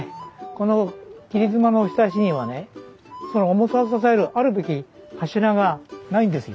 この切り妻のひさしにはねその重さを支えるあるべき柱がないんですよ。